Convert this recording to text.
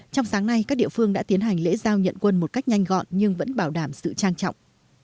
trong sáng nay các địa phương đã tiến hành lễ giao nhận quân một cách nhanh gọn nhưng vẫn bảo đảm sự trang trọng